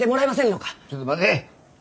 ちょっと待て！